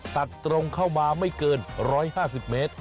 ตัดตรงเข้ามาไม่เกิน๑๕๐เมตร